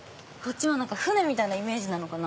船みたいなイメージなのかな？